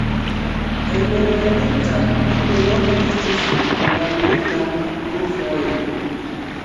Hejmenveninta li denove estis kondamnita dufoje.